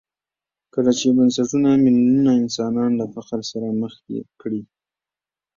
کله چې بنسټونه میلیونونه انسانان له فقر سره مخ کړي.